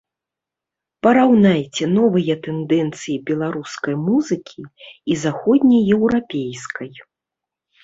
Параўнайце новыя тэндэнцыі беларускай музыкі і заходнееўрапейскай.